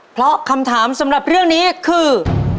เพราะคำถามสำหรับเรื่องนี้คือ